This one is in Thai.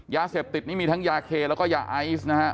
ยาเสพติดนี่มีทั้งยาเคแล้วก็ยาไอซ์นะฮะ